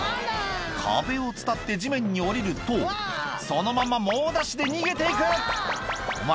壁を伝って地面に下りるとそのまんま猛ダッシュで逃げていくお前